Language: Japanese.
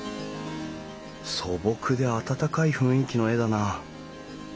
素朴で温かい雰囲気の絵だな。